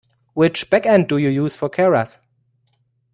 Which backend do you use for Keras?